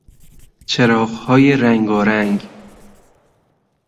چراغهای رنگارنگ